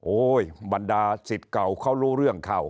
บรรดาสิทธิ์เก่าเขารู้เรื่องเข้า